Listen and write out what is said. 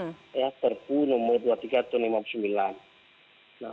nah sedangkan yang diistilahkan adalah pemerintah pusat nah itu kan masuk di bawah undang undang keadaan bahaya